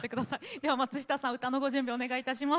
では松下さん歌のご準備お願いいたします。